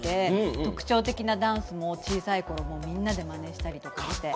特徴的なダンスも小さいころ、みんなでまねしたりとかして。